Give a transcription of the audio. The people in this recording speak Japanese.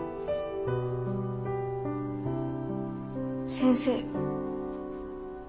先生。